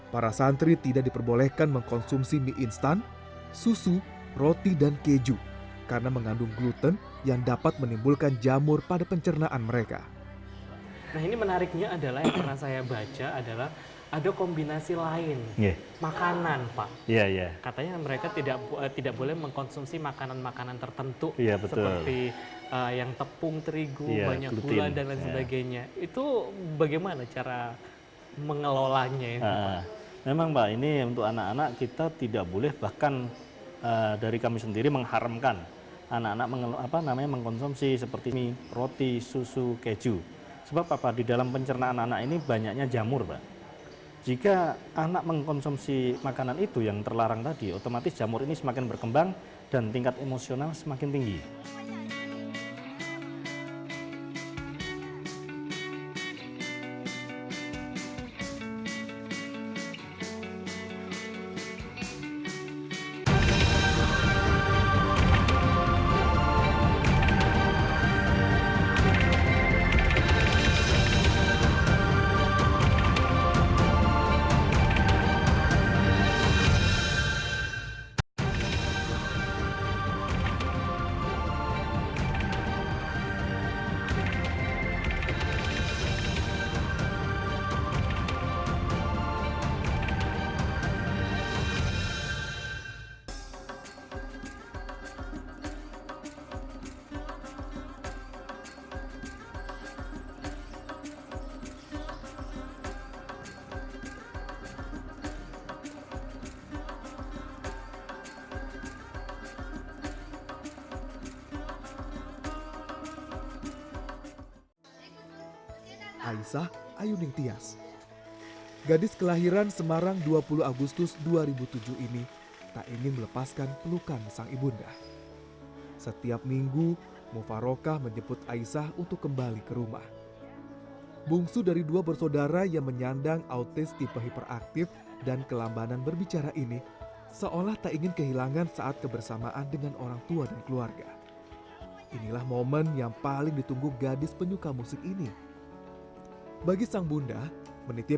pria yang sedang menempuh pendidikan serjana serata dua jurusan pendidikan agama islam ini